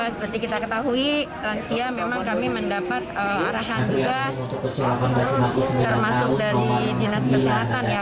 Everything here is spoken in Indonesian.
seperti kita ketahui lansia memang kami mendapat arahan juga termasuk dari dinas kesehatan ya